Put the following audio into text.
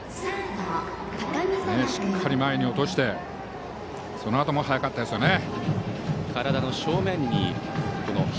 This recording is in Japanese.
しっかり前に落としてそのあとも速かったですね。